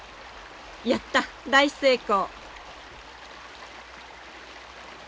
やった大成功。